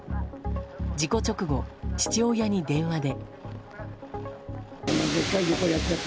事故直後、父親に電話で。